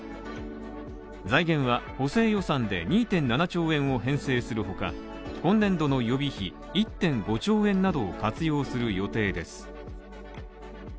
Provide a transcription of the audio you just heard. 財源は補正予算で２．７兆円を編成するほか今年度の予備費１．５兆円などを活用する予定です。